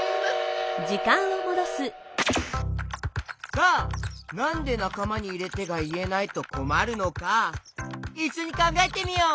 さあなんで「なかまにいれて」がいえないとこまるのかいっしょにかんがえてみよう！